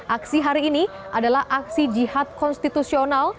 aksi hari ini adalah aksi jihad konstitusional